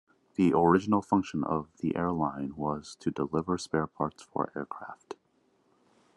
The original function of the airline was to deliver spare parts for aircraft.